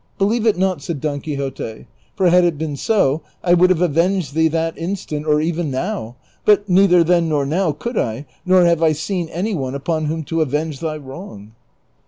" Believe it not," said Don Quixote, " for had it been so, I would have avenged thee that instant, or even now ; but neither then nor now could I, nor have I seen any one upon whom to avenge thy wrong."